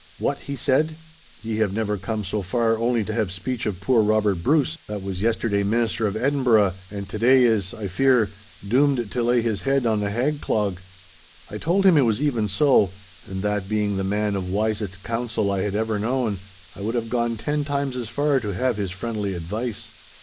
'What!' he said, 'ye have never come so far only to have speech of poor Robert Bruce, that was yesterday Minister of Edinburgh, and to day is, I fear, doomed to lay his head on the hag clog?' I told him it was even so, and that, being the man of wisest counsel I had ever known, I would have gone ten times as far to have his friendly advice.